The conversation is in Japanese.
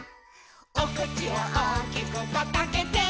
「おくちをおおきくパッとあけて」